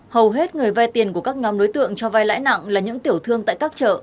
hầu hết người vay tiền của các nhóm đối tượng cho vai lãi nặng là những tiểu thương tại các chợ